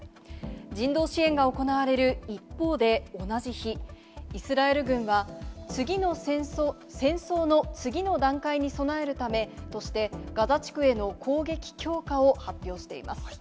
人道支援が行われる一方で、同じ日、イスラエル軍は戦争の次の段階に備えるためとして、ガザ地区への攻撃強化を発表しています。